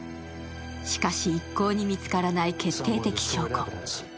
しかし、一向に見つからない決定的証拠。